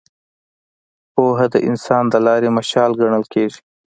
پوهه د انسان د لارې مشال ګڼل کېږي.